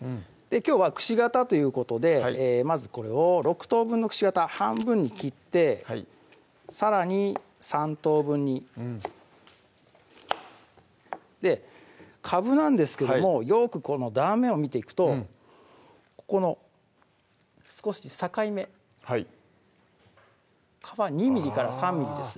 きょうはくし形ということでまずこれを６等分のくし形半分に切ってさらに３等分にかぶなんですけどもよくこの断面を見ていくとここの少し境目はい皮２ｍｍ３ｍｍです